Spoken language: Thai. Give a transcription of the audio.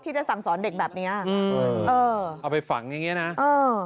จะสั่งสอนเด็กแบบเนี้ยอืมเออเอาไปฝังอย่างเงี้นะเออ